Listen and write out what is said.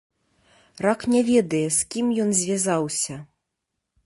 Рак не ведае, з кім ён звязаўся.